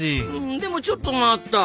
でもちょっと待った！